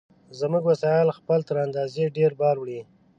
زموږ وسایل خپل تر اندازې ډېر بار وړي.